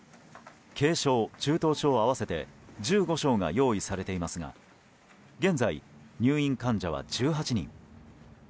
軽症・中等症合わせて１５床が用意されていますが現在、入院患者は１８人。